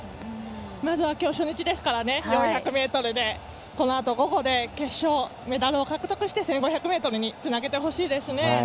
まずは今日初日ですから４００ｍでこのあと午後の決勝でメダルを獲得して１５００ｍにつなげてほしいですね。